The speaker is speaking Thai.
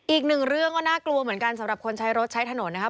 อีกหนึ่งเรื่องก็น่ากลัวเหมือนกันสำหรับคนใช้รถใช้ถนนนะครับ